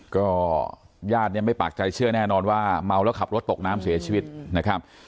ก็ญาติเนี่ยไม่ปากใจเชื่อแน่นอนว่าเมาแล้วขับรถตกน้ำเสียชีวิตนะครับ